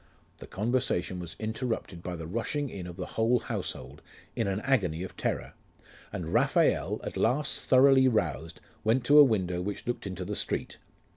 The conversation was interrupted by the rushing in of the whole household, in an agony of terror; and Raphael, at last thoroughly roused, went to a window which looked into the street.